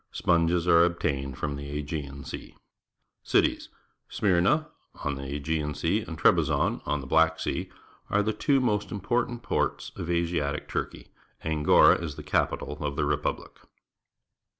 Sponges are obtained from the Aegean Sea. Cities. — Smyrna, on the Aegean Sea, and Trebizond, on the Black Sea, are the two most important ports of .\siatic Turkey. Angora is the capital of the repubUc.